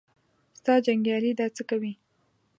ستا جنګیالي دا څه کوي.